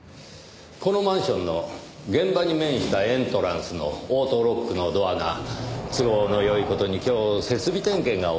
このマンションの現場に面したエントランスのオートロックのドアが都合のよい事に今日設備点検が行われるようで。